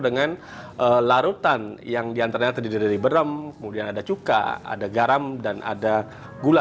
dengan larutan yang diantaranya terdiri dari beram kemudian ada cuka ada garam dan ada gula